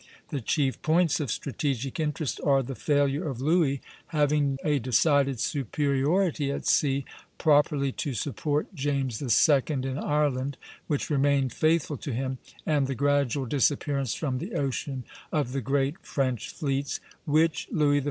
The chief points of strategic interest are the failure of Louis, having a decided superiority at sea, properly to support James II. in Ireland, which remained faithful to him, and the gradual disappearance from the ocean of the great French fleets, which Louis XIV.